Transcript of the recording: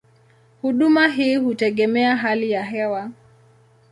Huduma hii hutegemea hali ya hewa.